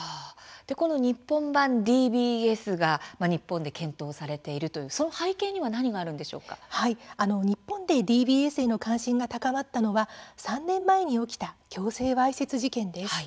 この日本版ＤＢＳが日本で検討されているというその背景には日本でＤＢＳへの関心が高まったのは３年前に起きた強制わいせつ事件です。